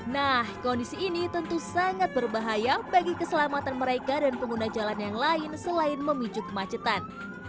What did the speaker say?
nah kondisi ini tentu sangat berbahaya bagi keselamatan mereka dan pengguna jalan yang lain selain memicu kemacetan